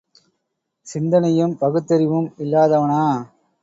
சிந்தனையும் பகுத்தறிவும் இல்லாதவனா?